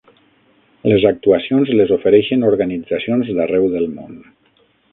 Les actuacions les ofereixen organitzacions d'arreu del món.